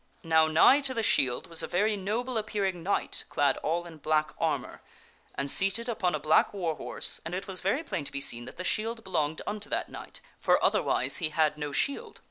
Now nigh to the shield was a very noble appearing knight clad all in black armor, and seated upon a black war horse, and it was very plain to be seen that the shield belonged unto that knight, for otherwise he had no shield.